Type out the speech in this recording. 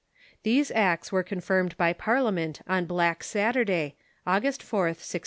These acts were confirmed by Parliament on Black Saturday, August 4th, 1621.